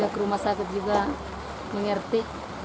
ke rumah sakit juga mengerti